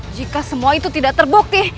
jika semua itu tidak terbukti